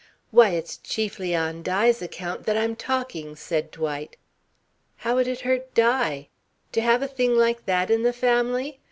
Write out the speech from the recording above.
"Why, it's chiefly on Di's account that I'm talking," said Dwight. "How would it hurt Di?" "To have a thing like that in the family?